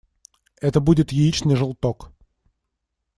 Это будет яичный желток.